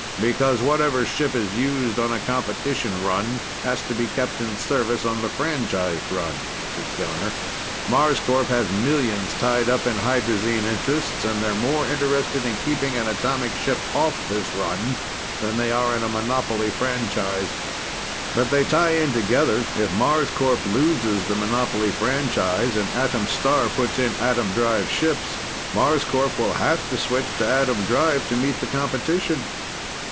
"Because whatever ship is used on a competition run has to be kept in service on the franchised run," answered Jonner. "Marscorp has millions tied up in hydrazine interests, and they're more interested in keeping an atomic ship off this run than they are in a monopoly franchise. But they tie in together: if Marscorp loses the monopoly franchise and Atom Star puts in atom drive ships, Marscorp will have to switch to atom drive to meet the competition."